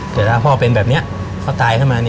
แต่ถ้าพ่อเป็นแบบนี้เขาตายขึ้นมา